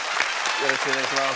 よろしくお願いします。